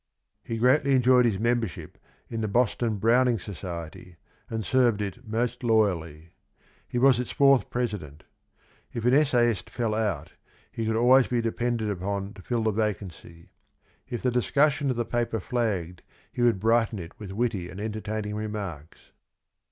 He greatly enjoyed his membership in the Boston Browning Society, and served it most loyally. He was its fourth president. If an essayist fell out he could always be depended upon to fill the vacancy. If the discussion of the paper flagged he would brighten it with witty and entertaining remarks.